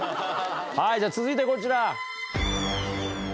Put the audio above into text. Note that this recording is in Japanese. はいじゃ続いてこちら。